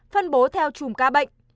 phân bố theo chùm ca bệnh